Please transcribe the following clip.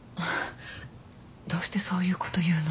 どうしてそういうこと言うの？